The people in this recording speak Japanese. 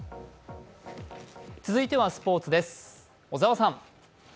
続いてはスポーツです、小沢さん。